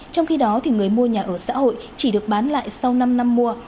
trong khi đó người mua nhà ở xã hội chỉ được bán lại sau năm năm mua